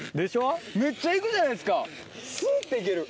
めっちゃ行くじゃないですか！